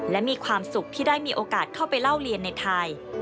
และมีความสุขที่ได้มีโอกาสเข้าไปเล่าเรียนในไทย